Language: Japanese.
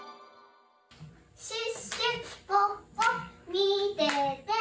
シュッシュポッポみてて！